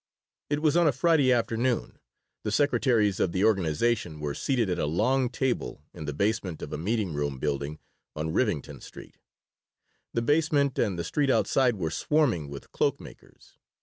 It was on a Friday afternoon. The secretaries of the organization were seated at a long table in the basement of a meeting room building on Rivington Street. The basement and the street outside were swarming with cloak makers.